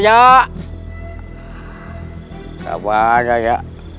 kau apa raja